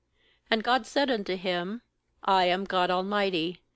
"And God said unto him: 'I am God Al mighty.